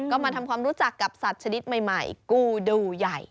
ก็มาทำความรู้จักกับสัตว์ชนิดใหม่กูดูใหญ่